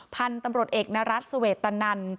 พันธุ์ตำรวจเอกนรัฐเสวตนัน